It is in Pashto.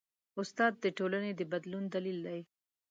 استاد د ټولنې د بدلون دلیل دی.